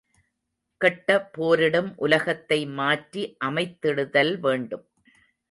கெட்ட போரிடும் உலகத்தை மாற்றி அமைத்திடுதல் வேண்டும்.